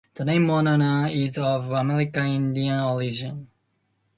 The name Monona is of American Indian origin.